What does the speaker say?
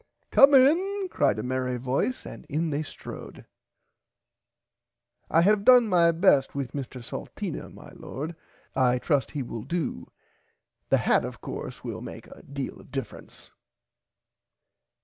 Come in cried a merry voice and in they strode. I have done my best with Mr Salteena my lord I trust he will do the hat of course will make a deal of diffrence.